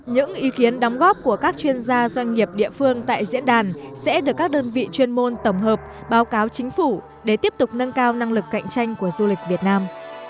những ý kiến đóng góp của các chuyên gia doanh nghiệp địa phương tại diễn đàn sẽ được các đơn vị chuyên môn tổng hợp báo cáo chính phủ để tiếp tục nâng cao năng lực cạnh tranh của du lịch việt nam